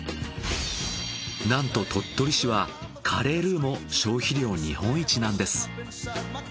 なんと鳥取市はカレールーも消費量日本一なんです。